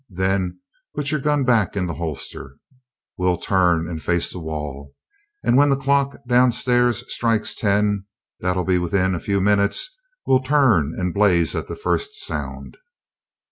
Then put your own gun back in the holster. We'll turn and face the wall. And when the clock downstairs strikes ten that'll be within a few minutes we'll turn and blaze at the first sound."